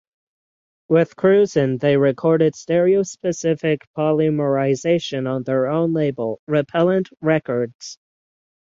With Krusen they recorded "Stereo Specific Polymerization" on their own label, Repellent Records.